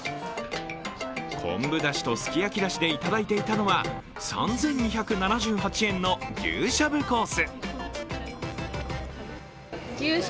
昆布だしとすき焼きだしでいただいていたのは３２７８円の牛しゃぶコース。